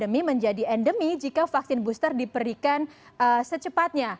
demi menjadi endemi jika vaksin booster diberikan secepatnya